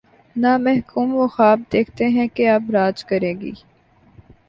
نہ محکوم وہ خواب دیکھتے ہیں کہ:''اب راج کرے گی۔